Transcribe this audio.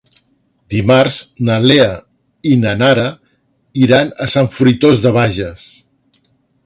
Dimarts na Lea i na Nara iran a Sant Fruitós de Bages.